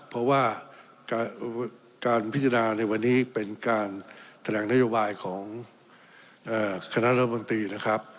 เพราะว่าการพิจารณาในวันนี้เป็นการแถลงนโยบายของคณะรัฐมนตรีนะครับ